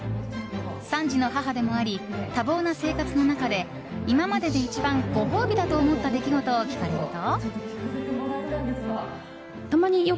３児の母でもあり多忙な生活の中で今までで一番ご褒美だと思った出来事を聞かれると。